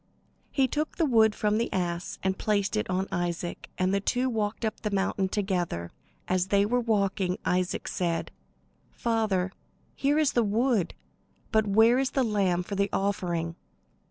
He took the wood from the ass and placed it on Isaac, and they two walked up the mountain together. As they were walking, Isaac said: "Father, here is the wood, but where is the lamb for the offering?"